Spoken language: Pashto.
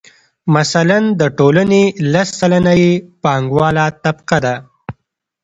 مثلاً د ټولنې لس سلنه یې پانګواله طبقه ده